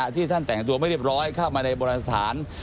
ที่ท่านแต่งตัวไม่เรียบร้อยเข้ามาในโบราณสถาน